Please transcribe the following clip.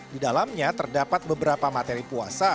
di dalamnya terdapat beberapa materi puasa